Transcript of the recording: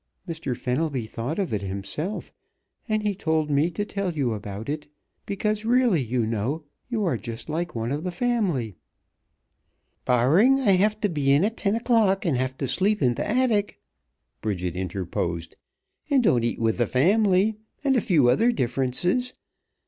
Mr. Fenelby thought of it himself, and he told me to tell you about it, because, really, you know, you are just like one of the family " "Barring I have t' be in at ten o'clock and have t' sleep in th' attic," Bridget interposed. "And don't eat with th' family. And a few other differences.